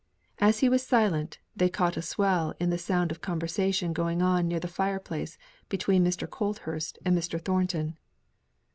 As he was silent, they caught a swell in the sound of conversation going on near the fire place between Mr. Colthurst and Mr. Thornton.